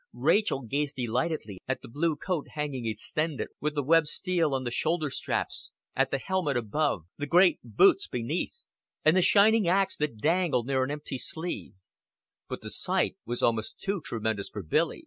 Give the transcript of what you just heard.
Rachel gazed delightedly at the blue coat hanging extended, with the webbed steel on the shoulder straps, at the helmet above, the great boots beneath, and the shining ax that dangled near an empty sleeve; but the sight was almost too tremendous for Billy.